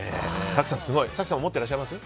早紀さんも持っていらっしゃいます？